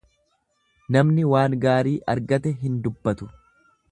Namni waan gaarii argate hin dubbatu.